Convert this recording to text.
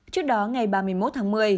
trước đó ngày ba mươi một tháng một mươi